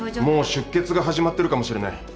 もう出血が始まってるかもしれない。